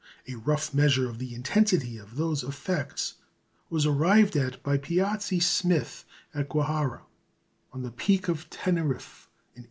A rough measure of the intensity of those effects was arrived at by Piazzi Smyth at Guajara, on the Peak of Teneriffe, in 1856.